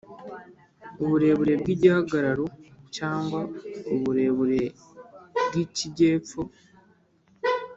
uburebure bw'igihagararo, cyangwa ubureburebw'icy'ikijyepfo,